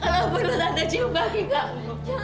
aku perlu tante cium bagi kamu